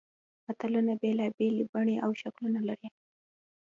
متلونه بېلابېلې بڼې او شکلونه لري